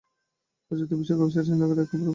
প্রযুক্তিবিষয়ক website CNET এক খবরে এ তথ্য জানিয়েছে।